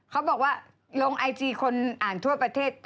เขาบอกว่าลงไอจีคนอ่านทั่วประเทศ